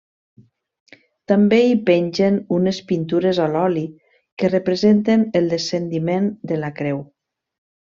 També hi pengen unes pintures a l'oli que representen el Descendiment de la Creu.